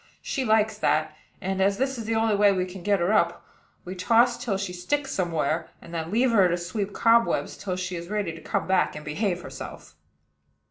She likes that; and, as this is the only way we can get her up, we toss till she sticks somewhere, and then leave her to sweep cobwebs till she is ready to come back and behave herself."